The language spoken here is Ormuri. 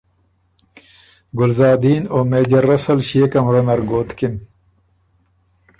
ګلزادین او میجر رسل ݭيې کمرۀ نر ګوتکِن۔